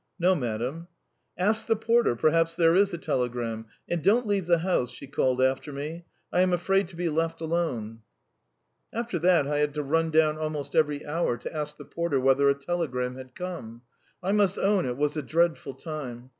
"No, madam." "Ask the porter; perhaps there is a telegram. And don't leave the house," she called after me. "I am afraid to be left alone." After that I had to run down almost every hour to ask the porter whether a telegram had come. I must own it was a dreadful time!